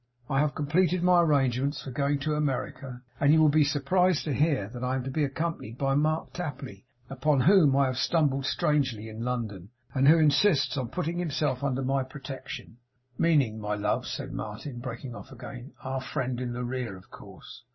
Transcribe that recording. I have completed my arrangements for going to America; and you will be surprised to hear that I am to be accompanied by Mark Tapley, upon whom I have stumbled strangely in London, and who insists on putting himself under my protection' meaning, my love,' said Martin, breaking off again, 'our friend in the rear, of course.